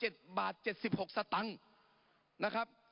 ปรับไปเท่าไหร่ทราบไหมครับ